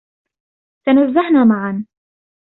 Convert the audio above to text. تنزهنا معًا.